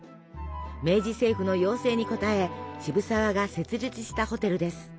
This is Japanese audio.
明治政府の要請に応え渋沢が設立したホテルです。